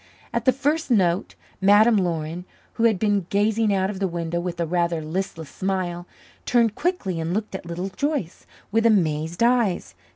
At the first note Madame Laurin, who had been gazing out of the window with a rather listless smile, turned quickly and looked at Little Joyce with amazed eyes.